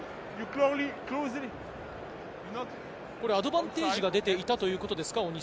アドバンテージが出ていたということですか？